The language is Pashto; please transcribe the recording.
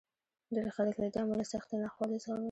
ډېر خلک له دې امله سختې ناخوالې زغمي.